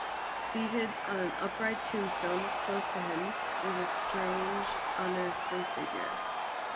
Seated on an upright tombstone close to him was a strange, unearthly figure.